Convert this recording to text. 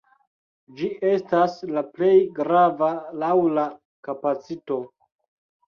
Ĝi estas la plej grava laŭ la kapacito.